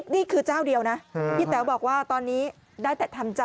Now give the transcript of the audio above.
นี่คือเจ้าเดียวนะพี่แต๋วบอกว่าตอนนี้ได้แต่ทำใจ